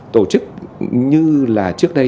tổ chức như là trước đây